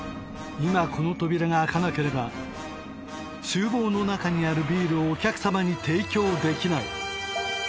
今この扉が開かなければ厨房の中にあるビールをお客様に提供できない